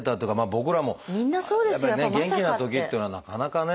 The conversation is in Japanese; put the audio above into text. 僕らもやっぱりね元気なときっていうのはなかなかね